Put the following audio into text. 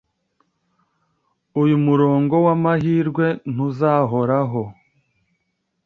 Uyu murongo wamahirwe ntuzahoraho.